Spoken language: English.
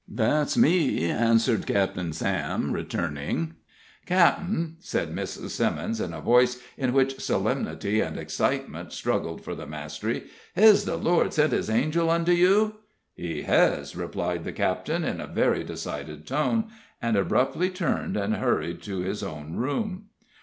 "That's me," answered Captain Sam, returning. "Cap'en," said Mrs. Simmons, in a voice in which solemnity and excitement struggled for the mastery, "hez the Lord sent His angel unto you?" "He hez," replied the captain, in a very decided tone, and abruptly turned, and hurried to his own room.